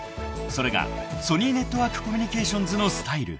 ［それがソニーネットワークコミュニケーションズのスタイル］